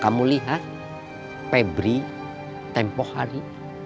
kamu lihat pebri tempoh hari